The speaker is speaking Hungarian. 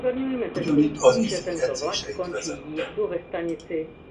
Ugyanitt az ifik edzéseit vezette.